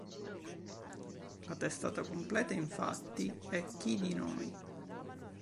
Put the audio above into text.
La testata completa infatti è Chi di noi.